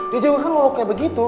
dia juga kan kalo lo kayak begitu